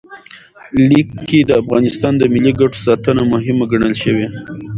لیک کې د افغانستان د ملي ګټو ساتنه مهمه ګڼل شوې.